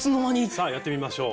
さあやってみましょう。